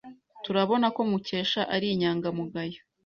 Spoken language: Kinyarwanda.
Turabona ko Mukesha ari inyangamugayo.